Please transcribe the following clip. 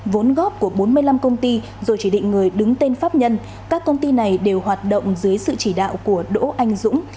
vốn góp của bốn mươi năm công ty rồi chỉ định người đứng tên pháp nhân các công ty này đều hoạt động dưới sự chỉ đạo của đỗ anh dũng